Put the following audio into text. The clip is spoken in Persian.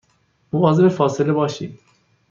مواظب فاصله باشید